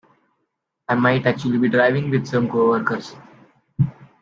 I might actually be driving with some coworkers.